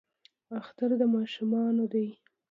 اختر د ماشومانو دی